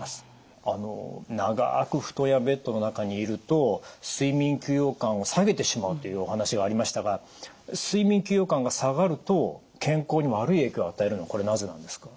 あの長く布団やベッドの中にいると睡眠休養感を下げてしまうというお話がありましたが睡眠休養感が下がると健康に悪い影響を与えるのはこれなぜなんですか？